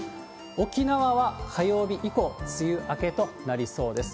沖縄は火曜日以降、梅雨明けとなりそうです。